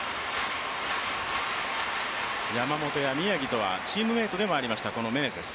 山本や宮城とはチームメイトでもありました、メネセス。